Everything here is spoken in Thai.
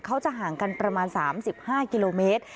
เขาจะห่างกันประมาณ๓๕กิโลเมตร